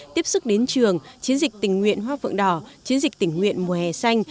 tiếp sức đến trường chiến dịch tình nguyện hoa vượng đỏ chiến dịch tình nguyện mùa hè xanh